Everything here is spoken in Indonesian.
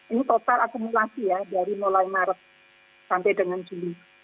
ini total akumulasi ya dari mulai maret sampai dengan juli